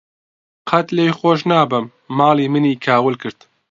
قەت لێی خۆش نابم، ماڵی منی کاول کرد.